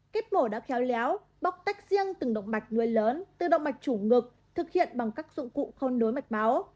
kết mổ đã khéo léo bóc tách riêng từng động mạch nuôi lớn từ động mạch chủ ngực thực hiện bằng các dụng cụ không nối mạch máu